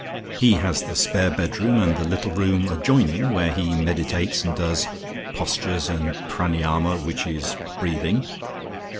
He has the spare bedroom and the little room adjoining where he meditates and does Postures and Pranyama which is breathing.